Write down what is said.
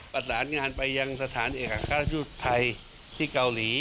ประสานงานไปยังสถานเอกราชทูตไทยที่เกาหลี